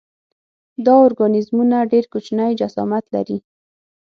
دا ارګانیزمونه ډېر کوچنی جسامت لري.